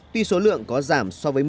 tuy số lượng có giảm so với một mươi năm